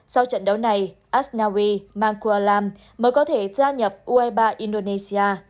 sau trận đấu này asnawi mangkulam mới có thể gia nhập u hai mươi ba indonesia